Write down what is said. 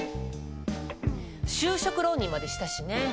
就職浪人までしたしね。